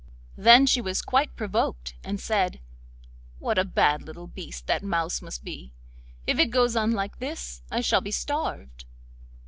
Then she was quite provoked, and said: 'What a bad little beast that mouse must be! If it goes on like this I shall be starved.